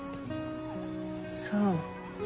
そう。